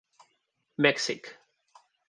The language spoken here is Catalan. Mèxic.